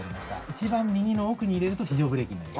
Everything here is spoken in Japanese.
一番右の奥に入れると非常ブレーキになります。